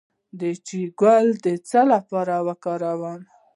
د چای ګل د څه لپاره وکاروم؟